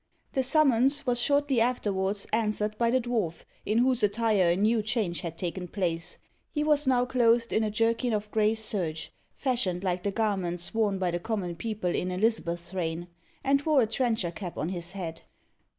The summons was shortly afterwards answered by the dwarf, in whose attire a new change had taken place. He was now clothed in a jerkin of grey serge, fashioned like the garments worn by the common people in Elizabeth's reign, and wore a trencher cap on his head.